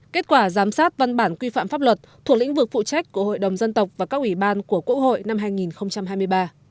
kết quả giám sát văn bản quy phạm pháp luật thuộc lĩnh vực phụ trách của hội đồng dân tộc và các ủy ban của quốc hội năm hai nghìn hai mươi ba